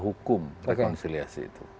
hukum rekonsiliasi itu